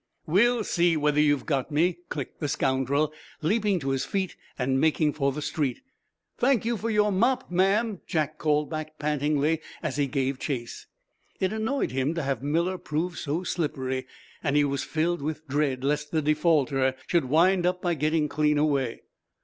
"We'll see whether you've got me!" clicked the scoundrel, leaping to his feet and making for the street. "Thank you for your mop, ma'am," Jack called back, pantingly, as he gave chase. It annoyed him to have Miller prove so slippery, and he was filled with dread lest the defaulter should wind up by getting clean away.